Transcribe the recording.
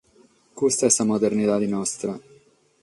Custa est sa modernidade nostra.